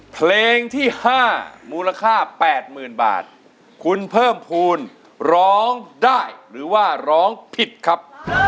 เพลงที่๕มูลค่า๘๐๐๐บาทคุณเพิ่มภูมิร้องได้หรือว่าร้องผิดครับ